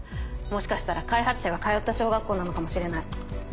もしかしたら開発者が通った小学校なのかもしれない。